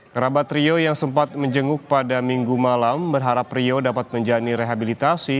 kerabat rio yang sempat menjenguk pada minggu malam berharap rio dapat menjalani rehabilitasi